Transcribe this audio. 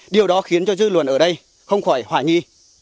điều đó khiến cho dư luận ở đây không khỏi hoài nghi